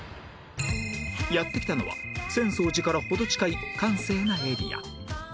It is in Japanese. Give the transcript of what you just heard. やって来たのは浅草寺から程近い閑静なエリア